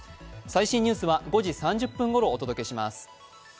最新ニュースは５時３０分ごろお届けします。